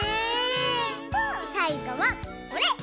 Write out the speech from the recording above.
さいごはこれ！